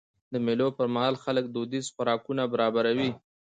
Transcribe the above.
د مېلو پر مهال خلک دودیز خوراکونه برابروي.